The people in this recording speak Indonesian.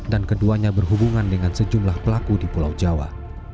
dan keduanya berhubungan dengan sejumlah pelaku di pulau jawa